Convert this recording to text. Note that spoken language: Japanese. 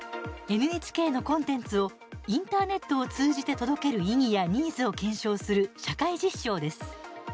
ＮＨＫのコンテンツをインターネットを通じて届ける意義やニーズを検証する社会実証です。